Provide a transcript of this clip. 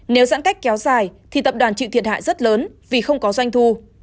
nếu giãn cách kéo dài thì tập đoàn chịu thiệt hại rất lớn vì không có doanh thu